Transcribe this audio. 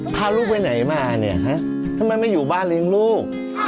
พาลูกไปไหนมาเนี่ยฮะทำไมไม่อยู่บ้านเลี้ยงลูก